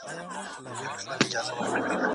له ډوډۍ وروسته سمدستي مه ویده کېږئ.